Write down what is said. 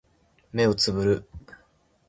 目をつぶる